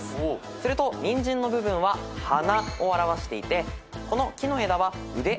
するとニンジンの部分は鼻を表していてこの木の枝は腕を表していると分かります。